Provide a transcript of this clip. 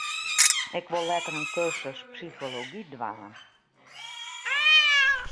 Ik wol letter in kursus psychology dwaan.